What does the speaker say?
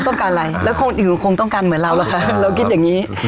ต้องการอะไรแล้วคนอื่นคงต้องการเหมือนเราล่ะคะเราคิดอย่างนี้